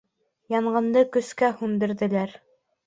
Янғынды көскә һүндерҙеләр.